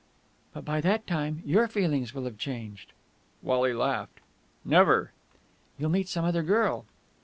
"But by that time your feelings will have changed!" Wally laughed. "Never!" "You'll meet some other girl...."